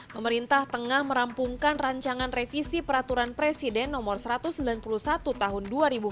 pemerintah tengah merampungkan rancangan revisi peraturan presiden no satu ratus sembilan puluh satu tahun dua ribu empat belas